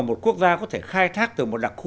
thứ mà một quốc gia có thể khai thác từ một đặc khu là